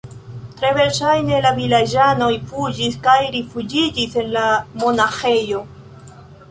Tre verŝajne la vilaĝanoj fuĝis kaj rifuĝiĝis en la monaĥejo.